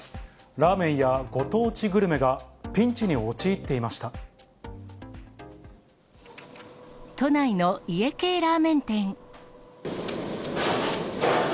ラーメンやご当地グルメがピ都内の家系ラーメン店。